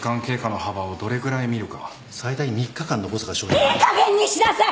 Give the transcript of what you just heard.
いいかげんにしなさい！